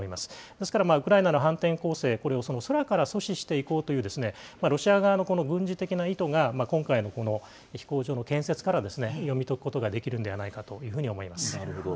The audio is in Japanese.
ですから、ウクライナの反転攻勢、これを空から阻止していこうというロシア側の軍事的な意図が、今回のこの飛行場の建設から読み解くことができるんではないかとなるほど。